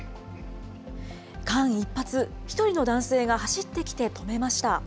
間一髪、１人の男性が走ってきて止めました。